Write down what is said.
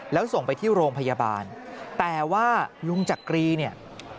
แล้วส่งไปที่โรงพยาบาลแต่ว่าลุงจักรีเนี่ย